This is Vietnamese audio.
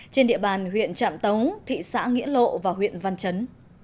trên địa bàn huyện trạm tống thị xã nghĩa lộ và huyện văn chấn